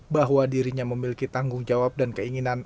bahwa dirinya memiliki tanggung jawab dan keinginan